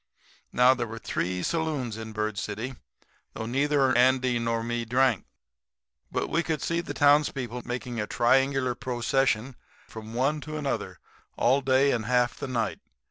"Now, there were three saloons in Bird City, though neither Andy nor me drank. But we could see the townspeople making a triangular procession from one to another all day and half the night.